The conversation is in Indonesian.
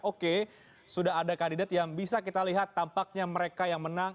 oke sudah ada kandidat yang bisa kita lihat tampaknya mereka yang menang